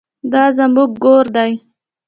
دا زموږ ګور دی